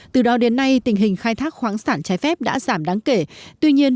từ đó đến nay tình hình khai thác khoáng sản trái phép đã giảm đáng kể tuy nhiên